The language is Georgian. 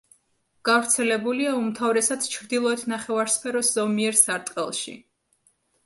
გავრცელებულია უმთავრესად ჩრდილოეთ ნახევარსფეროს ზომიერ სარტყელში.